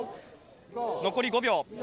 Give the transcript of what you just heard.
残り５秒。